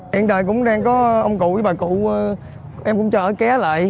hiện tại cũng đang có ông cụ với bà cụ em cũng chờ ở ké lại